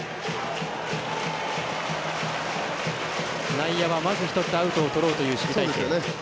内野はまず１つアウトをとろうという守備隊形。